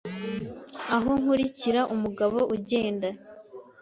aho nkurikira umugabo ugenda